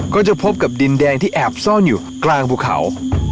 ก็จะพบกับดินแดงที่แอบซ่อนอยู่กลางภูเขา